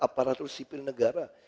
aparatur sipil negara